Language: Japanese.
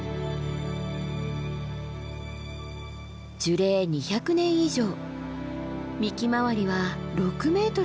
樹齢２００年以上幹周りは６ｍも。